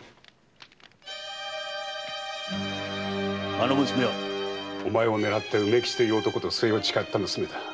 あの娘は⁉お前を狙った梅吉という男と末を誓った娘だ。